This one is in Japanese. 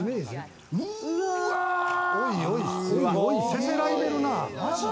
せせらいでるな。